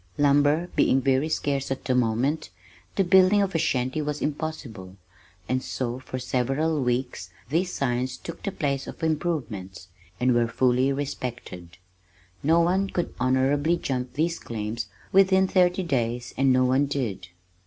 Lumber being very scarce at the moment, the building of a shanty was impossible, and so for several weeks these signs took the place of "improvements" and were fully respected. No one could honorably jump these claims within thirty days and no one did.